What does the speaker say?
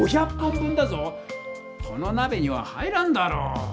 このなべには入らんだろう。